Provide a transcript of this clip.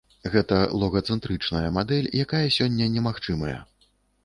Гэта логацэнтрычная мадэль, якая сёння немагчымая.